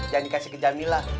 jangan dikasih ke jamila